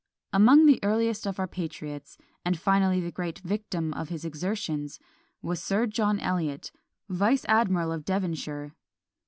Among the earliest of our patriots, and finally the great victim of his exertions, was Sir John Eliot, vice admiral of Devonshire.